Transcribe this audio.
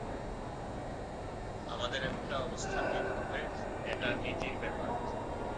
আমাদের একটা অবস্থান নিতে হবে: এটা নীতির ব্যাপার।